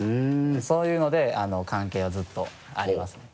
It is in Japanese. そういうので関係をずっとありますね。